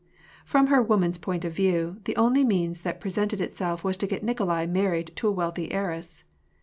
From her woman's point of view, the only means that pre sented itself was to get Nikolai married to a wealthy heiress.